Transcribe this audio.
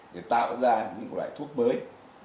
để tạo ra những loại thuốc mới